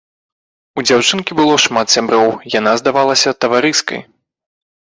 У дзяўчынкі было шмат сяброў, яна здавалася таварыскай.